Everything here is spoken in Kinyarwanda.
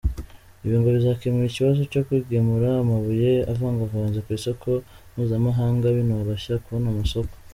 Ibi ngo bizakemura ikibazo cyo kugemura amabuye avangavanze ku isoko mpuzamahanga, binoroshye kubona amasoko.